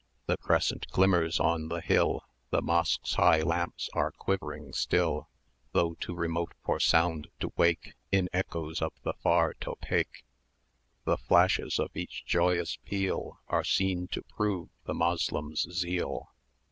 [cx] The Crescent glimmers on the hill, The Mosque's high lamps are quivering still Though too remote for sound to wake In echoes of the far tophaike, The flashes of each joyous peal Are seen to prove the Moslem's zeal.